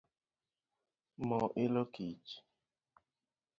Mo ilo kich